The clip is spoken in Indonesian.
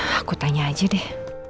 aku tanya aja deh